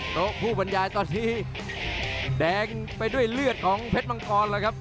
โต๊ะผู้บรรยายตอนนี้แดงไปด้วยเลือดของเพชรมังกรแล้วครับ